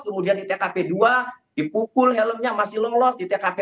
kemudian di tkp dua dipukul helmnya masih lolos di tkp